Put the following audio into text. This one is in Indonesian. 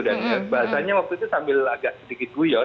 dan bahasanya waktu itu sambil agak sedikit guyot